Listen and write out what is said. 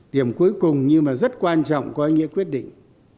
điểm cuối cùng nhưng mà rất quan trọng có ý nghĩa quyết định